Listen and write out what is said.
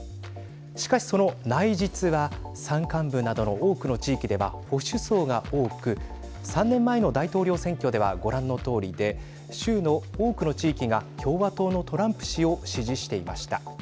しかし、その内実は山間部などの多くの地域では保守層が多く３年前の大統領選挙ではご覧のとおりで州の多くの地域が共和党のトランプ氏を支持していました。